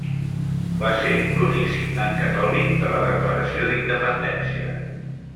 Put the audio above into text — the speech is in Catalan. Va ser l'únic signant catòlic de la Declaració d'Independència.